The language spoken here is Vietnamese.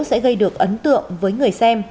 sẽ gây được ấn tượng với người xem